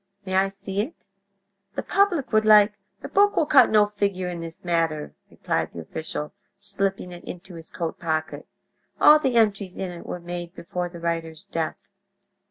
May I see it? The public would like—" "The book will cut no figure in this matter," replied the official, slipping it into his coat pocket; "all the entries in it were made before the writer's death."